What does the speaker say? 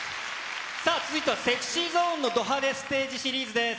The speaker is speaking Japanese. さあ、続いてはＳｅｘｙＺｏｎｅのド派手ステージシリーズです。